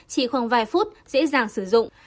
chỉ khoảng vài phút dễ dàng sử dụng